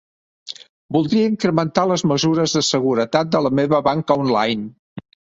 Voldria incrementar les mesures de seguretat de la meva banca online.